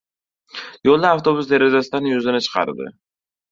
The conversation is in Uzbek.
Yo‘lda avtobus derazasidan yuzini chiqardi.